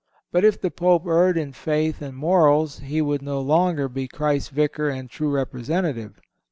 But if the Pope erred in faith and morals he would no longer be Christ's Vicar and true representative.